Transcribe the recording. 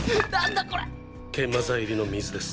研磨剤入りの水です。